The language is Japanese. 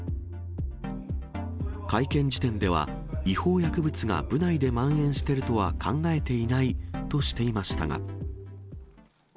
会見時点では、違法薬物が部内でまん延しているとは考えていないとしていましたが。